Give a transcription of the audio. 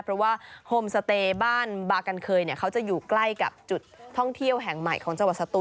เพราะว่าโฮมสเตย์บ้านบากันเคยเนี่ยเขาจะอยู่ใกล้กับจุดท่องเที่ยวแห่งใหม่ของจังหวัดสตูน